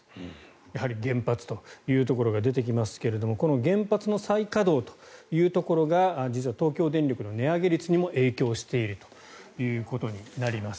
やはり原発というところが出てきますが原発の再稼働というところが実は東京電力の値上げ率にも影響しているということになります。